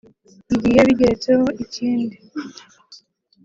bigiye bigeretseho ikindi